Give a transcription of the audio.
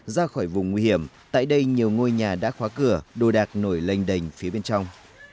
ra khỏi vùng nguy hiểm tại đây nhiều ngôi nhà đã khóa cửa đồ đạc nổi lênh đành phía bên trong